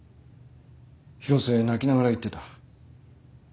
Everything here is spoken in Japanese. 広瀬泣きながら言ってた。